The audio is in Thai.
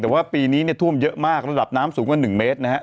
แต่ว่าปีนี้เนี่ยท่วมเยอะมากระดับน้ำสูงกว่า๑เมตรนะฮะ